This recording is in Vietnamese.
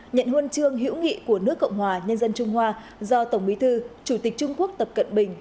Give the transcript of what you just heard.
nhận huân chương hữu nghị của nước cộng hòa nhân dân trung hoa do tổng bí thư chủ tịch trung quốc tập cận bình